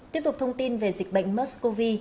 tiếp tục thông tin về dịch bệnh mers cov